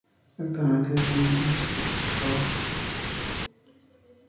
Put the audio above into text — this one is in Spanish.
Actualmente vive en Ciudad del Cabo.